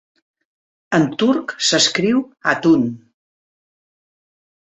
En turc s'escriu hatun.